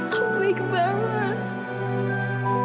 aku baik banget